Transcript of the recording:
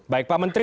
baik pak menteri